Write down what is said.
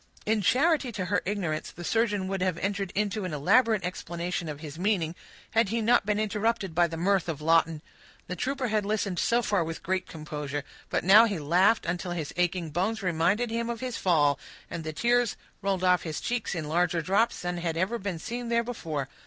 In charity to her ignorance, the surgeon would have entered into an elaborate explanation of his meaning, had he not been interrupted by the mirth of Lawton. The trooper had listened so far with great composure; but now he laughed until his aching bones reminded him of his fall, and the tears rolled over his cheeks in larger drops than had ever been seen there before.